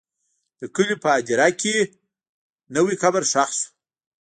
د کلي په هدیره کې نوی قبر ښخ شو.